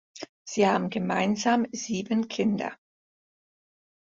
Sie haben gemeinsam sieben Kinder.